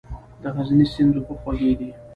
د غزني سیند اوبه خوږې دي؟